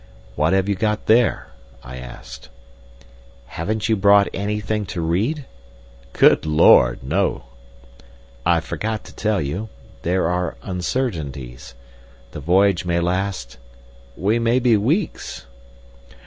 "What have you got there?" I asked. "Haven't you brought anything to read?" "Good Lord! No." "I forgot to tell you. There are uncertainties— The voyage may last— We may be weeks!"